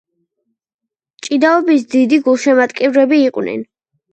ჭიდაობის დიდი გულშემატკივრები იყვნენ.